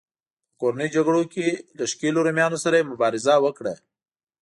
په کورنیو جګړو کې له ښکېلو رومیانو سره یې مبارزه وکړه